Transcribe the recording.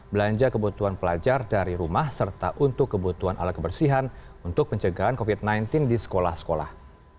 belanja kebutuhan pelajar dari rumah serta untuk kebutuhan alat kebersihan untuk pencegahan covid sembilan belas di sekolah sekolah